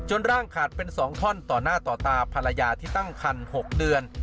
ร่างขาดเป็น๒ท่อนต่อหน้าต่อตาภรรยาที่ตั้งคัน๖เดือน